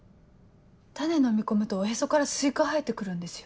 種のみ込むとおへそからスイカ生えて来るんですよ。